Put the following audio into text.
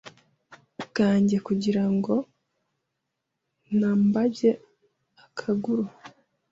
bwanjye kugirango ntibmbage akaguru?